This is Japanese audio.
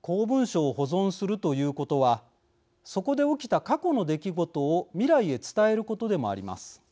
公文書を保存するということはそこで起きた過去の出来事を未来へ伝えることでもあります。